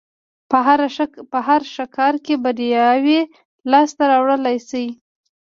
په هر ښه کار کې برياوې لاس ته راوړلای شي.